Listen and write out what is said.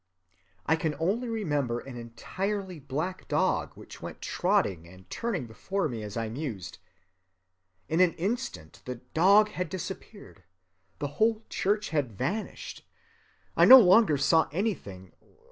I can only remember an entirely black dog which went trotting and turning before me as I mused. In an instant the dog had disappeared, the whole church had vanished, I no longer saw anything